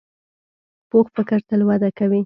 پوخ فکر تل وده کوي